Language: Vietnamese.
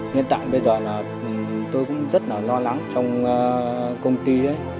nhân tại bây giờ tôi cũng rất lo lắng trong công ty